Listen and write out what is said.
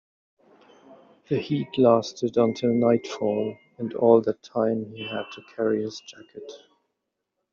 The heat lasted until nightfall, and all that time he had to carry his jacket.